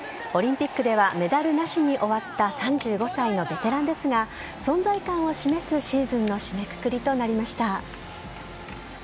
オリンピックではメダルなしに終わった３５歳のベテランですが、存在感を示すシーズンの締めくくりとなりました。